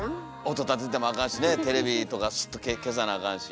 音立ててもあかんしねテレビとかスッと消さなあかんし。